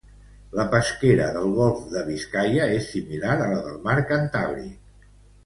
La pesquera del golf de Biscaia és similar a la del mar Cantàbric.